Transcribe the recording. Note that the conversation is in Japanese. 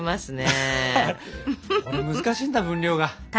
これ難しいんだ分量が。